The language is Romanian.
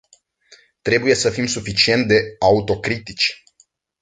Trebuie să fim suficient de autocritici.